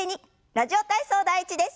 「ラジオ体操第１」です。